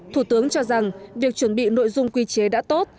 thủ tướng cho rằng việc chuẩn bị nội dung quy chế đã tốt